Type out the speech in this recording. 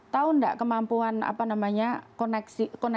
tahu gak kemampuan